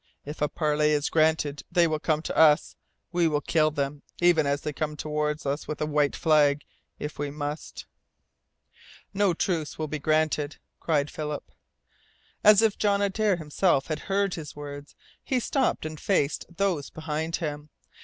If a parley is granted, they will come to us. We will kill them even as they come toward us with a white flag, if we must!" "No truce will be granted!" cried Philip. As if John Adare himself had heard his words, he stopped and faced those behind him.